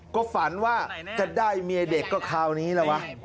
ก็ฝันว่าจะได้เมียเด็กก็คราวนี้แล้ววะ